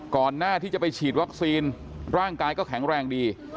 หน้าที่จะไปฉีดวัคซีนร่างกายก็แข็งแรงดี